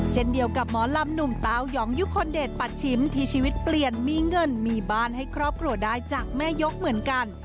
เช่นเดียวกับหมอลำหนุ่มเต้ายองยุคลเดชปัดชิมที่ชีวิตเปลี่ยนมีเงินมีบ้านให้ครอบครัวได้จากแม่ยกเหมือนกัน